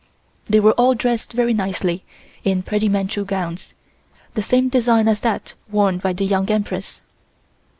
They were all dressed very nicely in pretty Manchu gowns, the same design as that worn by the Young Empress.